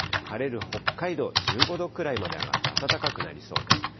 晴れる北海道、１５度くらいまで上がって暖かくなりそうです。